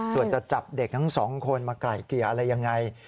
ส่วนจะจับเด็กทั้งสองคนมาไกล่เกลี่ยอะไรยังไง